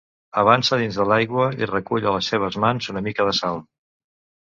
Avança dins de l'aigua i recull a les seves mans una mica de sal.